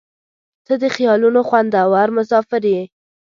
• ته د خیالونو خوندور مسافر یې.